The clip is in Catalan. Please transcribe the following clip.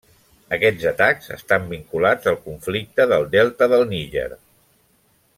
Aquests atacs estan vinculats al Conflicte del delta del Níger.